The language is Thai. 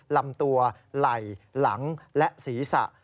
ลำตัวไหล่หลังและศีรษะ